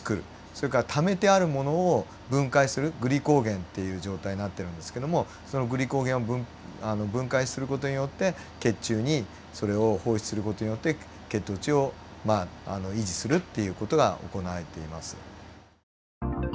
それからためてあるものを分解するグリコーゲンっていう状態になってるんですけどもそのグリコーゲンを分解する事によって血中にそれを放出する事によって血糖値をまあ維持するっていう事が行われています。